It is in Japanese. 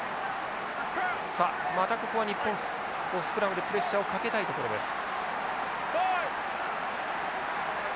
さあまたここは日本スクラムでプレッシャーをかけたいところです。